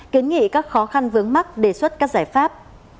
kiến nghị các khó khăn vướng mắt đề xuất các giải pháp